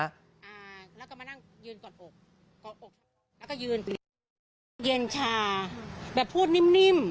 อ่าแล้วก็มานั่งยืนกอดอกกอดอกแล้วก็ยืนเย็นชาแบบพูดนิ่มนิ่ม